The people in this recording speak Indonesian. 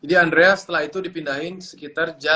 jadi andrea setelah itu dipindahin ke rumah sakit rujukan